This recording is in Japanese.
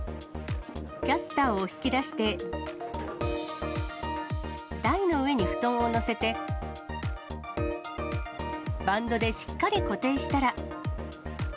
キャスターを引き出して、台の上に布団を載せて、バンドでしっかり固定したら。